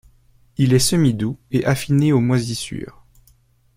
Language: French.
Il est semi-doux et affiné aux moisissures.